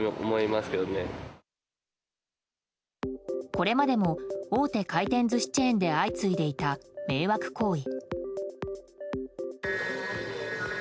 これまでも大手回転寿司チェーンで相次いでいた迷惑行為。